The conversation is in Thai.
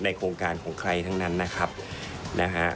โครงการของใครทั้งนั้นนะครับนะฮะ